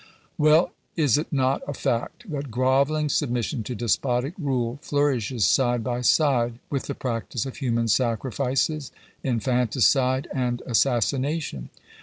Well, is it not a fact that grovelling submission to despotic rule flourishes side by side with the practice of human sacri fices, infanticide, and assassination?